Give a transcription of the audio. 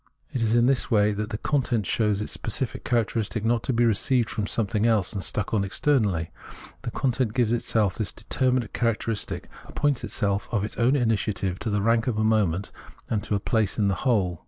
It is in this way that the content shows its specific characteristic not to be received from something else, and stuck on externally ; the content gives itself this determinate characteristic, ap points itself of its own initiative to the rank of a moment and to a place in the whole.